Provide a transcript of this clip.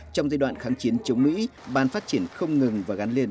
trong giai đoạn kháng chiến chống mỹ ban phát triển không ngừng và gắn liền